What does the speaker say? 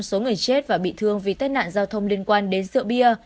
hai mươi số người chết và bị thương vì tai nạn giao thông liên quan đến rượu bia